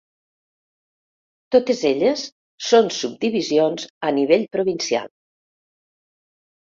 Totes elles són subdivisions a nivell provincial.